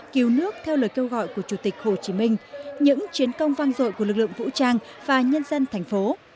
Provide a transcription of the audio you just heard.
cứu nước theo lời kêu gọi của chủ tịch hồ chí minh những chiến công vang dội của lực lượng vũ trang và nhân dân thành phố